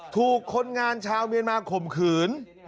ถูกคนงานชาวเมียนมาข่มขืน